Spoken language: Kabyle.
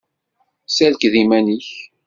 Serked iman-ik!